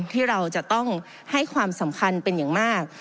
ที่เราจะต้องให้ความสำคัญเป็นอย่างมาก